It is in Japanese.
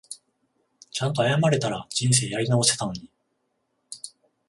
ちゃんと謝れたら人生やり直せたのに